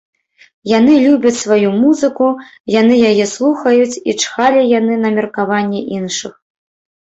Яны любяць сваю музыку, яны яе слухаюць і чхалі яны на меркаванне іншых.